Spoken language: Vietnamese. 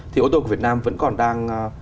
thì ô tô của việt nam vẫn còn đang